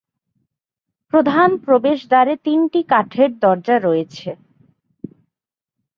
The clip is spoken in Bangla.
প্রধান প্রবেশদ্বারে তিনটি কাঠের দরজা রয়েছে।